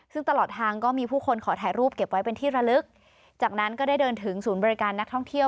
ซึ่งตลอดทางก็มีผู้คนขอถ่ายรูปเก็บไว้เป็นที่ระลึกจากนั้นก็ได้เดินถึงศูนย์บริการนักท่องเที่ยว